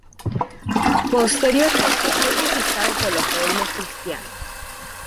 Posteriormente fue conquistado por los reinos cristianos.